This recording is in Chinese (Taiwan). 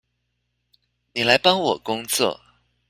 妳來幫我工作